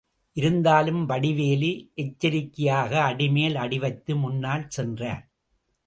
இருந்தாலும் வடிவேலு, எச்சரிக்கையாக அடிமேல் அடிவைத்து முன்னால் சென்றார்.